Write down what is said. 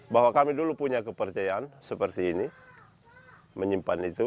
bahwa kami dulu punya kepercayaan seperti ini menyimpan itu